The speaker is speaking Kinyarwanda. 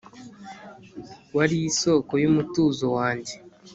Wari isoko yumutuzo wanjye